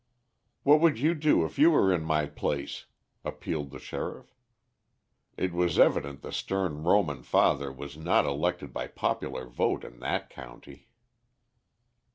"What would you do if you were in my place?" appealed the sheriff. It was evident the stern Roman Father was not elected by popular vote in that county.